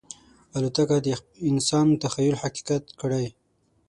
الوتکه د انسان تخیل حقیقت کړی.